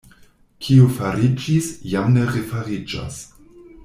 Kio fariĝis, jam ne refariĝos.